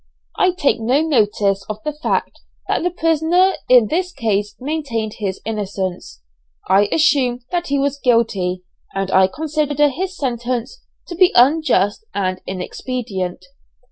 I take no notice of the fact that the prisoner in this case maintained his innocence, I assume that he was guilty, and I consider his sentence to be unjust and inexpedient.